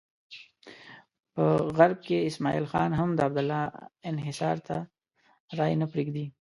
په غرب کې اسماعیل خان هم د عبدالله انحصار ته رایې نه پرېږدي.